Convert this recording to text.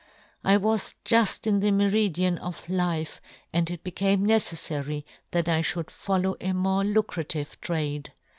I was juft in the " meridian of life, and it became " neceflary that I fhould follow a " more lucrative trade.